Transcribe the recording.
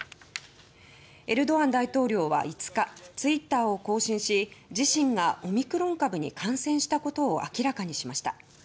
エルドアン大統領は５日ツイッターを更新し自身がオミクロン株に感染したことを明らかにしました。